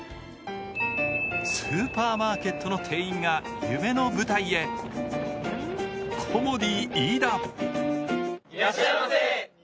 スーパーマーケットの店員が夢の舞台へ、コモディイイダ。